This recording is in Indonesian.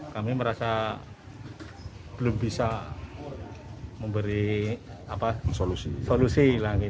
kami merasa belum bisa memberi solusi lagi